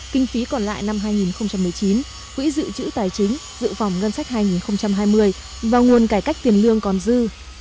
kinh phí còn lại năm hai nghìn một mươi chín quỹ dự trữ tài chính dự phòng ngân sách hai nghìn hai mươi và nguồn cải cách tiền lương còn dư